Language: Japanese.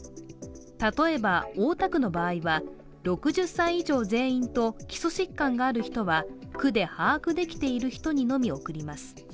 例えば大田区の場合は、６０歳以上全員と基礎疾患がある人は区で把握できている人にのみ送ります。